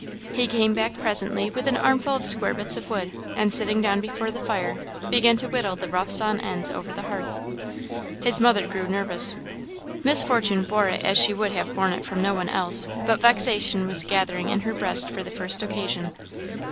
He came back presently with an armful of square bits of wood; and sitting down before the fire, began to whittle the rough sawn ends over the hearth. His mother grew nervous. Miss Fortune bore it as she would have borne it from no one else, but vexation was gathering in her breast for the first occasion.